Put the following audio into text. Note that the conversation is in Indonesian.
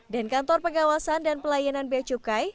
dan kantor pengawasan dan pelayanan beacukai